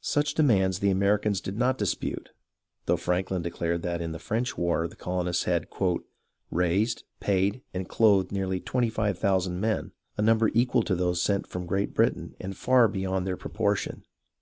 Such demands the Americans did not dispute, though 6 HISTORY OF THE AMERICAN REVOLUTION Franklin declared that, in the French war, the colonists had " raised, paid, and clothed nearly twenty five thousand men — a number equal to those sent from Great Britain, and far beyond their proportion.